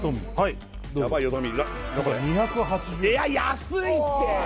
いや安いって！